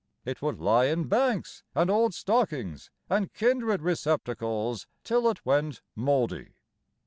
It would lie in banks and old stockings and kindred receptacles Till it went mouldy.